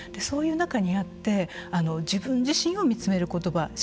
そういう中にあって自分自身を見つめる言葉。